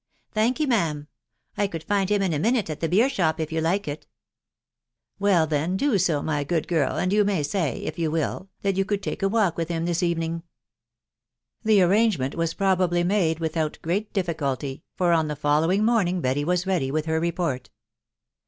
" Thankee, ma'am. ... I could find him in a minute at the beer shop, if you like it/* " Well, then, do so, my good girl, and you may say, if you will, that you could take a walk with him this evening." The arrangement was probably made without great diffi culty, for on the following morning Betty was ready with her report.